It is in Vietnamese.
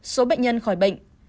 một số bệnh nhân khỏi bệnh